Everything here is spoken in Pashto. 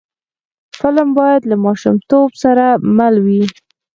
فلم باید له ماشومتوب سره مل وي